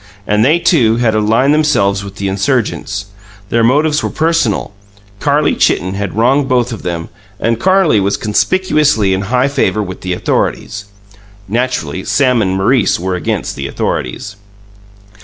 And they, too, had aligned themselves with the insurgents. Their motives were personal Carlie Chitten had wronged both of them, and Carlie was conspicuously in high favour with the Authorities. Naturally Sam and Maurice were against the Authorities.